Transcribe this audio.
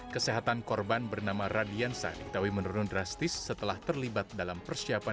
kesehatan korban bernama radiansa diketahui menurun drastis setelah terlibat dalam persiapan